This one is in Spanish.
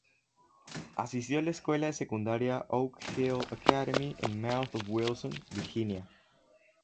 Asistió a la escuela de secundaria Oak Hill Academy en Mouth of Wilson, Virginia.